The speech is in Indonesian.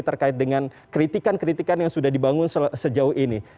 terkait dengan kritikan kritikan yang sudah dibangun sejauh ini